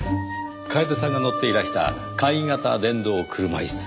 楓さんが乗っていらした簡易型電動車椅子。